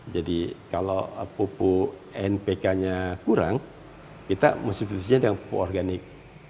jadi kalau pupuk npk nya kurang kita mempunyai pupuk organik